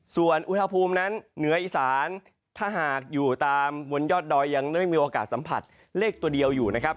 ส่วนอุณหภูมินั้นเหนืออีสานถ้าหากอยู่ตามบนยอดดอยยังไม่มีโอกาสสัมผัสเลขตัวเดียวอยู่นะครับ